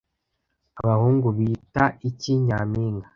Abahungu bita iki Nyampinga